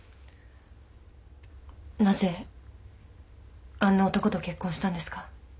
なぜあんな男と結婚したんですか？